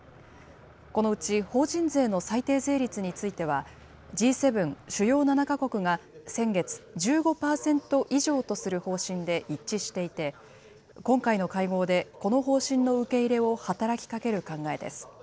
このうち法人税の最低税率については、Ｇ７・主要７か国が先月、１５％以上とする方針で一致していて、今回の会合で、この方針の受け入れを働きかける考えです。